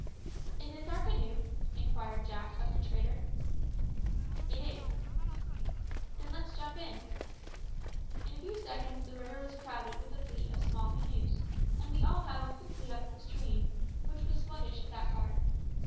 "Is this our canoe?" inquired Jack of the trader. "It is." "Then let's jump in." In a few seconds the river was crowded with a fleet of small canoes, and we all paddled quickly up the stream, which was sluggish at that part.